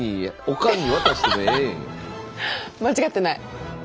間違ってない。